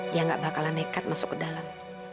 dia gak bakalan nekat masuk ke dalam